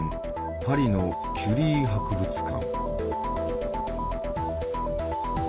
パリのキュリー博物館。